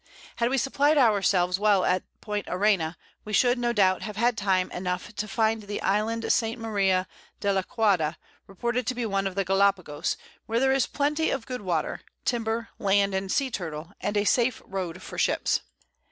Had we supplied our selves well at Point Arena, we should, no doubt, have had time enough to find the Island S. Maria de l'Aquada, reported to be one of the Gallapagos, where there is Plenty of good Water, Timber, Land and Sea Turtle, and a safe Road for Ships.